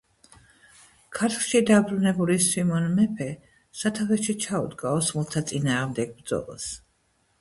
ქარᲗლᲨი დაბრუნებული სვიმონ მეფე საᲗავეᲨი Ჩაუდგა ოსმალᲗა წინააღმდეგ ბრძოლას.